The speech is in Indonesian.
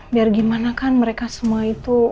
biar gimana kan mereka semua itu